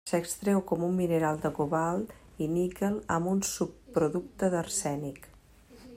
S'extreu com un mineral de cobalt i níquel amb un subproducte d'arsènic.